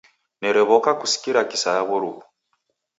Nerew'oka kusikira kisaya w'oruw'u.